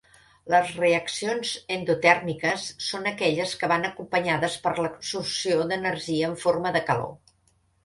Les reaccions endotèrmiques són aquelles que van acompanyades per l'absorció d'energia en forma de calor.